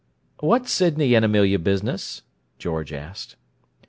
"What Sydney and Amelia business?" George asked.